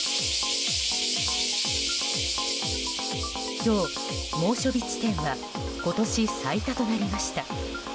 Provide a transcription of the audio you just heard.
今日、猛暑日地点が今年最多となりました。